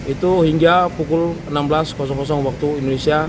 itu hingga pukul enam belas waktu indonesia